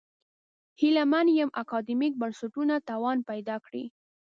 هیله من یم اکاډمیک بنسټونه توان پیدا کړي.